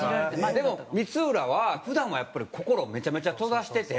でも光浦は普段はやっぱり心をめちゃめちゃ閉ざしてて。